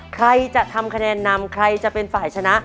ใครจะทำคะแนนนำใครจะเป็นฝ่ายชนะ